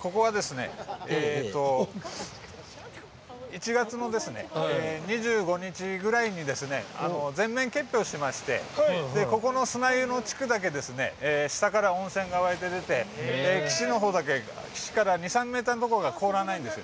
ここは１月２５日ぐらいに全面結氷しましてここの砂湯の地区だけ下から温泉が湧いて出て岸から２３ｍぐらいが凍らないんです。